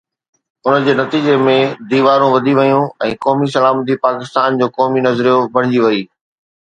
ان جي نتيجي ۾ ديوارون وڌي ويون ۽ قومي سلامتي پاڪستان جو قومي نظريو بڻجي وئي.